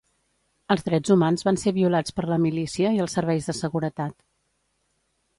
Els drets humans van ser violats per la milícia i els serveis de seguretat.